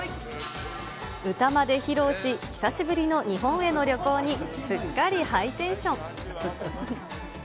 歌まで披露し、久しぶりの日本への旅行にすっかりハイテンション。